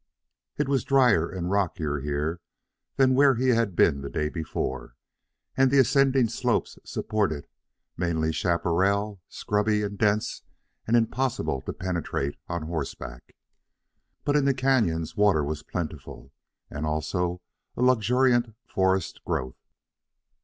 It was dryer and rockier here than where he had been the day before, and the ascending slopes supported mainly chaparral, scrubby and dense and impossible to penetrate on horseback. But in the canyons water was plentiful and also a luxuriant forest growth.